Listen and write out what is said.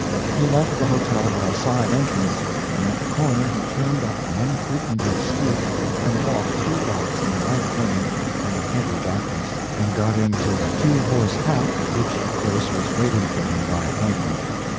He left the hotel by a side entrance, and at the corner he turned up an unfrequented street and walked three blocks in a light rain and a heavy darkness, and got into a two horse hack, which, of course, was waiting for him by appointment.